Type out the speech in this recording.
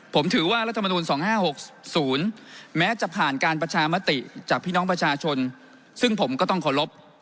ผมถือว่ารัฐมนูล๒๕๖๐แม้จะผ่านการประชามติจากพี่น้องประชาชนซึ่งผมก็ต้องเคารพ